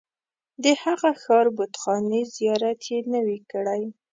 د هغه ښار بتخانې زیارت یې نه وي کړی.